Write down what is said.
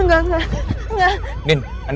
engga engga jangan deket deket